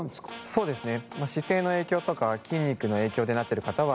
そうですね。